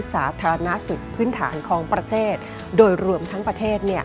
สาธารณสุขพื้นฐานของประเทศโดยรวมทั้งประเทศ